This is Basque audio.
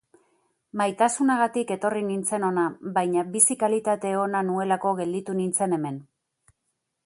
Maitasunagatik etorri nintzen hona, baina bizi kalitate ona nuelako gelditu nintzen hemen.